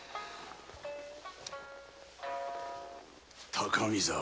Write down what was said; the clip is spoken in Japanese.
高見沢。